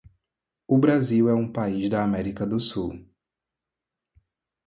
O Brasil é um país da América do Sul.